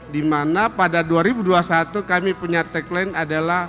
di mana pada dua ribu dua puluh satu kami punya tagline adalah